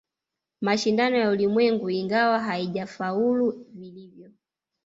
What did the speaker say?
Mashindano ya Ulimwengu ingawa haijafaulu vilivyo